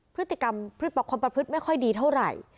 พฤติกรรมพฤติปรบความปรับพฤติไม่ค่อยดีเท่าไหร่